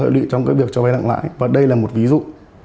có quá nhiều hợp lý trong việc cho vay nặng lãi và đây là một ví dụ